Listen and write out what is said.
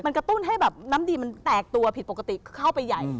มันกระตุ้นให้แบบน้ำดีมันแตกตัวผิดปกติเข้าไปใหญ่